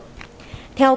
theo các chuyên gia